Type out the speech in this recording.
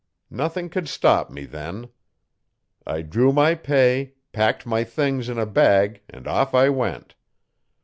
Nothing could stop me then. I drew my pay, packed my things in a bag and off I went.